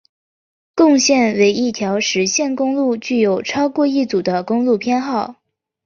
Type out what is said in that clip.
共线为一条实体公路具有超过一组的公路编号。